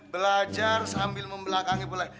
belajar sambil membelakangnya boleh